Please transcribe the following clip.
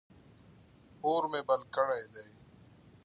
اور مې بل کړی دی.